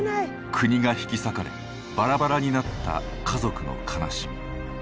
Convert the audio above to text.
国が引き裂かれバラバラになった家族の悲しみ。